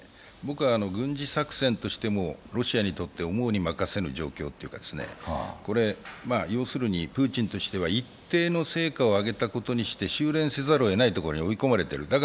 僕は軍事作戦としても、ロシアにとって思うに任せぬ状況というか、プーチンとしては一定の成果を上げたことにして収れんせざるを得ない状況に追い込まれている。